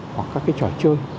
hoặc các cái trò chơi